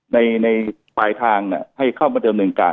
ในปลายทางให้เข้ามาเดิมเนินการ